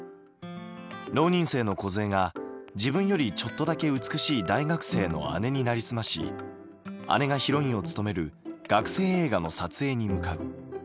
浪人生の梢が自分よりちょっとだけ美しい大学生の姉になりすまし姉がヒロインを務める学生映画の撮影に向かう。